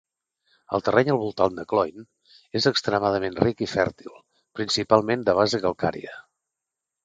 El terreny al voltant de Cloyne és extremadament ric i fèrtil, principalment de base calcària.